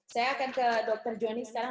saya akan ke dr joni sekarang